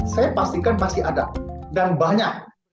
saya pastikan masih ada dan banyak